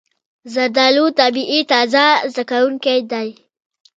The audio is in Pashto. زردالو طبیعي تازه کوونکی دی.